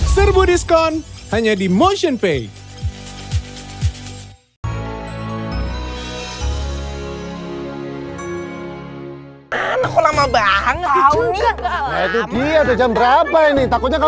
serbu diskon hanya di motionpay